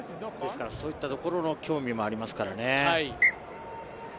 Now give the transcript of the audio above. そういったところの興味もありますからね。